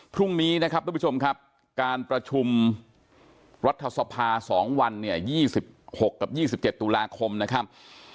พรุ่งนี้นะครับทุกผู้ชมครับการประชุมรัฐสภา๒วันเนี่ย๒๖กับ๒๗ตุลาคมนะครับ